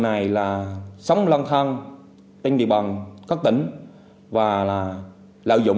nhưng không chỉnh báo với cơ quan công an